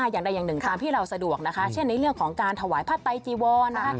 อย่างใดอย่างหนึ่งตามที่เราสะดวกนะคะเช่นในเรื่องของการถวายผ้าไตจีวรนะคะ